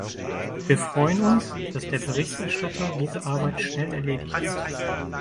Wir freuen uns, dass der Berichterstatter diese Arbeit schnell erledigt hat.